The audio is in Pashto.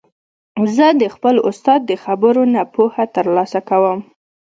زه د خپل استاد د خبرو نه پوهه تر لاسه کوم.